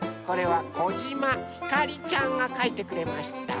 これはこじまひかりちゃんがかいてくれました。